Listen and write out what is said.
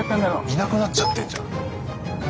いなくなっちゃってんじゃん。